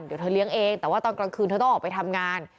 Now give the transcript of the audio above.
เดี๋ยวเธอเลี้ยงเองแต่ว่าตอนกลางคืนเธอต้องออกไปทำงาน